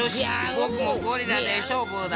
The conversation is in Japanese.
ぼくもゴリラでしょうぶだ。